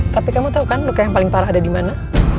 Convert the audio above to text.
tapi kamu tau kan luka yang paling parah ada dimana